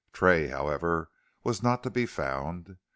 Tray, however, was not to be found.